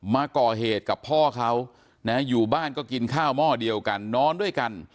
มาก่อเหตุกับพ่อเขานะอยู่บ้านก็กินข้าวหม้อเดียวกันนอนด้วยกัน